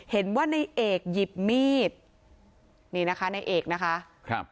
เห็นว่าในเอกหยิบมีดนี่นะคะในเอกนะคะครับ